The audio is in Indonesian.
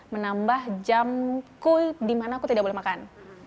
menambah jamku di mana aku tidak boleh makan